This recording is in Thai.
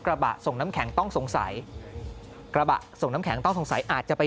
กระบะส่งน้ำแข็งต้องสงสัยกระบะส่งน้ำแข็งต้องสงสัยอาจจะไป